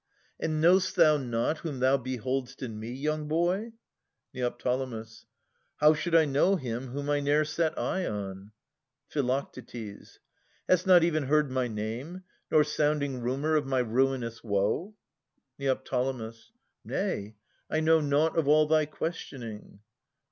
And know'st thou not whom thou behold'st in me. Young boy? Neo. How should I know him whom I ne'er Set eye on? Phi. Hast not even heard my name, Nor sounding rumour of my ruinous woe ? Neo. Nay, I know nought of all thy questioning.